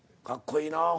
かっこいいな。